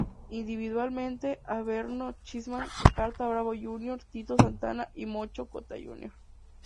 Individualmente, Averno, Chessman, Carta Brava Jr., Tito Santana y Mocho Cota Jr.